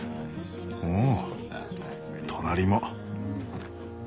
おお隣も！